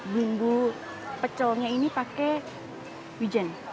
bumbu pecelnya ini pakai wijen